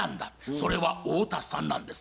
それは太田さんなんです。